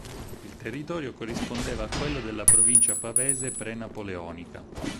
Il territorio corrispondeva a quello della provincia pavese pre-napoleonica.